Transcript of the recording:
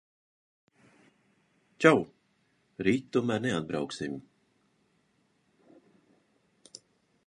Čau! Rīt tomēr neatbrauksim.